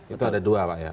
itu ada dua pak ya